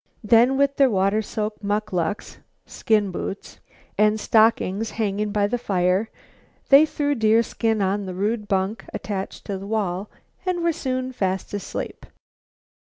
Then, with their water soaked mucklucks (skin boots) and stockings hanging by the fire, they threw deerskin on the rude bunk attached to the wall and were soon fast asleep.